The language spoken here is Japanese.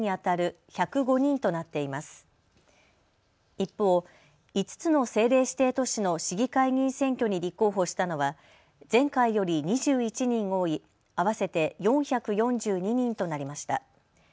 一方、５つの政令指定都市の市議会議員選挙に立候補したのは前回より２１人多い合わせて４４２人となりました。